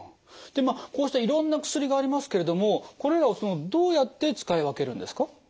でまあこうしたいろんな薬がありますけれどもこれらをそのどうやって使い分けるんですか？